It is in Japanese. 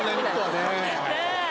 ねえ。